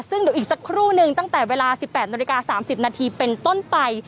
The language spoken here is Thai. ซึ่งเดี๋ยวอีกสักครู่นึงตั้งแต่เวลา๑๘นาฬิกา๓๐นาทีเป็นต้นไป